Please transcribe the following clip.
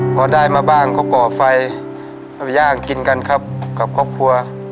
พอได้มาบ้างก็ก่อไฟเอาย่างกินกันครับกับครอบครัว